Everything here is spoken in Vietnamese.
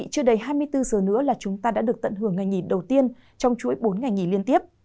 chưa đầy hai mươi bốn giờ nữa là chúng ta đã được tận hưởng ngày nghỉ đầu tiên trong chuỗi bốn ngày nghỉ liên tiếp